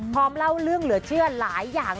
เล่าเรื่องเหลือเชื่อหลายอย่าง